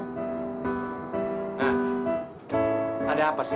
nah ada apa sih